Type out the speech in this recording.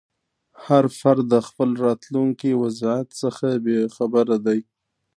هر فرد د خپل راتلونکي وضعیت څخه بې خبره دی.